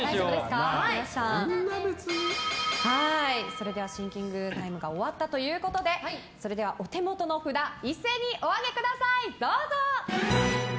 それではシンキングタイムが終わったということでそれでは、お手元の札一斉にどうぞ！